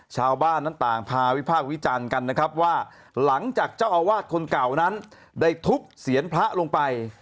ชาวบ้านนั้นต่างพาวิพากษ์วิจารณ์กันนะครับว่าหลังจากเจ้าอาวาสคนเก่านั้นได้ทุบเสียงพระลงไป